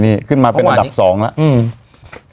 นี่ขึ้นมาเป็นอันดับสองแล้ว